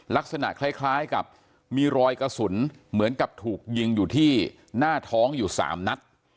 ลักษณะคล้ายกับมีรอยกระสุนเหมือนกับถูกยิงอยู่ที่หน้าท้องอยู่๓นัด